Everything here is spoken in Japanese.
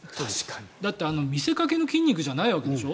だって見せかけの筋肉じゃないわけでしょ。